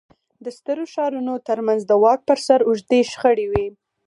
د سترو ښارونو ترمنځ د واک پر سر اوږدې شخړې وې